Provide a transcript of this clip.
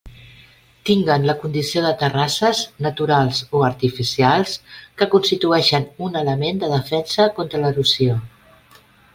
Tinguen la condició de terrasses, naturals o artificials, que constituïxen un element de defensa contra l'erosió.